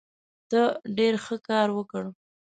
ته ډېر ښه کار وکړ.